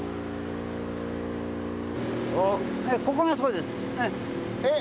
ここがそうです。